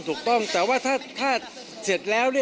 ถูกต้องแต่ว่าถ้าเสร็จแล้ว